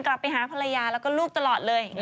กลับไปหาภรรยาแล้วก็ลูกตลอดเลย